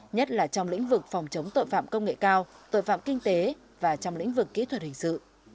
nhất là trong lĩnh vực phòng chống tội phạm công nghệ cao tội phạm kinh tế và trong lĩnh vực kỹ thuật hình sự